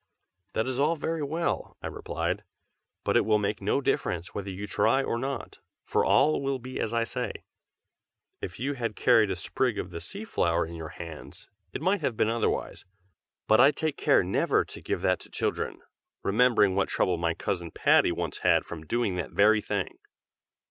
"That is all very well," I replied, "but it will make no difference whether you try or not, for all will be as I say. If you had carried a sprig of the sea flower in your hands it might have been otherwise; but I take care never to give that to children, remembering what trouble my cousin Patty once had from doing that very thing."